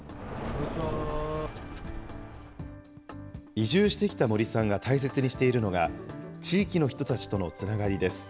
移住してきた森さんが大切にしているのが、地域の人たちとのつながりです。